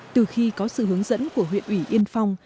từ khi có sự hướng dẫn của huyện ủy yên phong